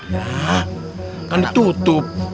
nah kan tutup